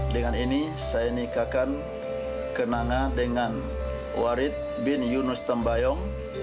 dengan ini saya nikahkan kenanga dengan warid bin yunus tembayong